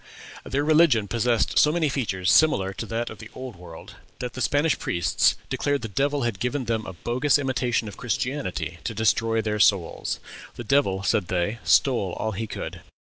Their religion possessed so many features similar to those of the Old World, that the Spanish priests declared the devil had given them a bogus imitation of Christianity to destroy their souls. "The devil," said they, "stole all he could."